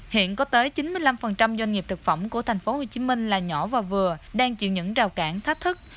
hiện có tới chín mươi năm doanh nghiệp thực phẩm của thành phố hồ chí minh là nhỏ và vừa đang chịu những rào cản thách thức